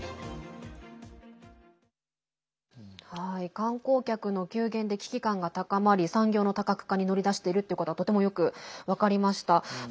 観光客の急減で危機感が高まり産業の多角化に乗り出しているっていうことはとてもよく分かりました。